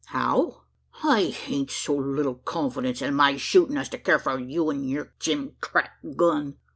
"How?" "I hain't so little confidence in my shootin' as to care for you an' yur jim crack gun!